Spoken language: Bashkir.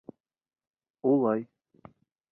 — Улай...